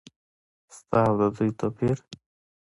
ستا او د دوی توپیر ؟